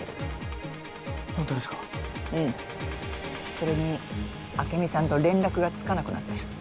それに朱美さんと連絡がつかなくなってる。